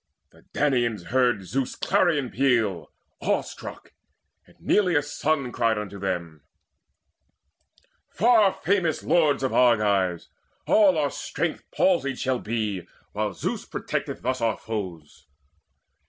The Danaans heard Zeus' clarion peal Awe struck; and Neleus' son cried unto them: "Far famous lords of Argives, all our strength Palsied shall be, while Zeus protecteth thus Our foes.